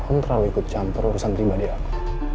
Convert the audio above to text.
untra wikut campur urusan pribadi aku